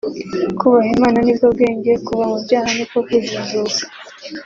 Kubaha Imana nibwo bwenge kuva mu byaha niko kujijuka